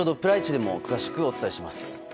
でも詳しくお伝えします。